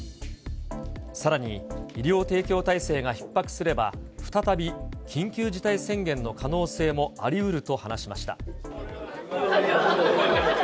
さらに医療提供体制がひっ迫すれば、再び緊急事態宣言の可能性もありうると話しました。